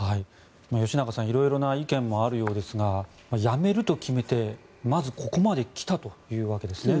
吉永さん色々な意見もあるようですがやめると決めて、まずここまで来たというわけですね。